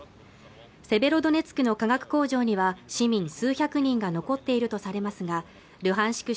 セベロドネツクの化学工場には市民数百人が残っているとされますがルハンシク